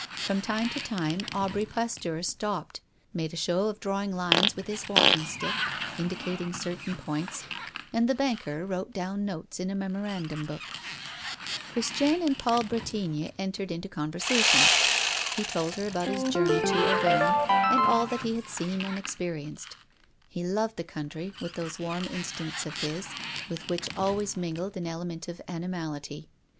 From time to time Aubry Pasteur stopped, made a show of drawing lines with his walking stick, indicating certain points, and the banker wrote down notes in a memorandum book. Christiane and Paul Bretigny entered into conversation. He told her about his journey to Auvergne, and all that he had seen and experienced. He loved the country, with those warm instincts of his, with which always mingled an element of animality.